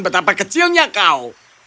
betapa kecilnya kau